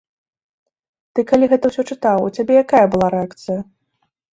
Ты калі гэта ўсё чытаў, у цябе якая была рэакцыя?